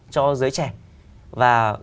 cho giới trẻ và